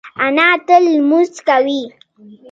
انا تل لمونځ کوي